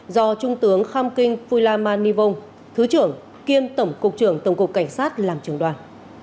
do trung tướng kham kinh phuila man nivong thứ trưởng kiêm tổng cục trưởng tổng cục cảnh sát làm trưởng đoàn